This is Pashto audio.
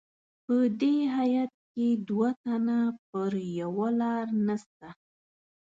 په دې هیات کې دوه تنه پر یوه لار نسته.